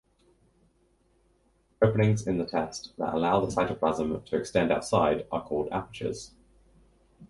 Openings in the test that allow the cytoplasm to extend outside are called apertures.